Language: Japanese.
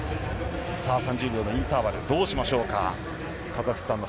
さあ、３０秒のインターバル、どうしましょうか？